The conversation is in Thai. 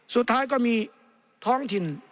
สุดท้ายก็มีท้องถิ่น